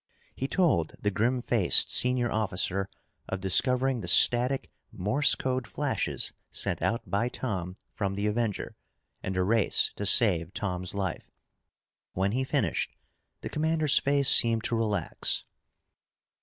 He told the grim faced senior officer of discovering the static Morse code flashes sent out by Tom from the Avenger and the race to save Tom's life. When he finished, the commander's face seemed to relax.